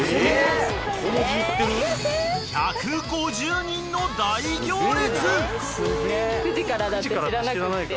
［１５０人の大行列］